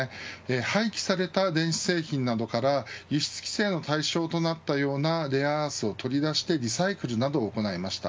廃棄された電子製品などから輸出規制の対象となったようなレアアースを取り出してリサイクルなどを行いました。